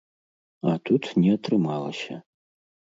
А тут не атрымалася.